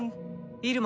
イルマ。